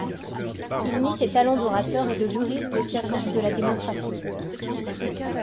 Il mit ses talents d'orateur et de juriste au service de la démocratie.